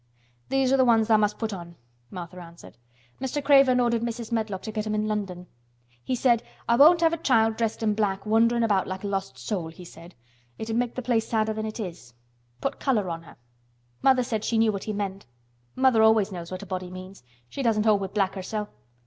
"These are th' ones tha' must put on," Martha answered. "Mr. Craven ordered Mrs. Medlock to get 'em in London. He said 'I won't have a child dressed in black wanderin' about like a lost soul,' he said. 'It'd make the place sadder than it is. Put color on her.' Mother she said she knew what he meant. Mother always knows what a body means. She doesn't hold with black hersel'."